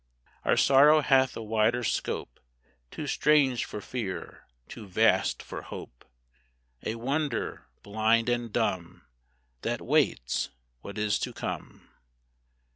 Our sorrow hath a wider scope, Too strange for fear, too vast for hope, A wonder, blind and dumb, That waits what is to come!